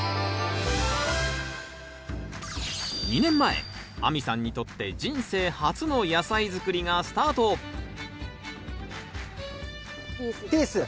２年前亜美さんにとって人生初の野菜づくりがスタートピースで。